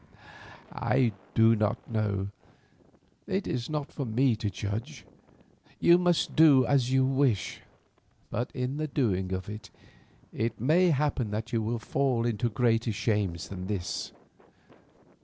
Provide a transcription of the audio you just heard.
"I do not know; it is not for me to judge. You must do as you wish, but in the doing of it, it may happen that you will fall into greater shames than this.